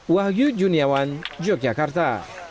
wahyu juniawan yogyakarta